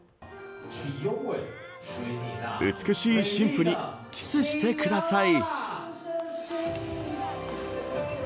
美しい新婦にキスしてください。